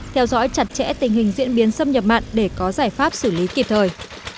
theo dõi chặt chẽ tình hình diễn biến xâm nhập mặn để có giải pháp xử lý kịp thời